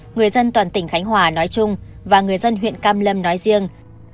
người dân toàn tỉnh khánh hòa nói chung và người dân huyện cam lâm nói riêng